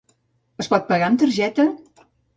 Es pot pagar amb targeta?